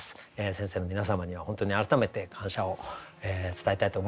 先生の皆様には本当に改めて感謝を伝えたいと思います。